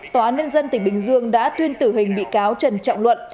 tòa án nhân dân tỉnh bình dương đã tuyên tử hình bị cáo trần trọng luận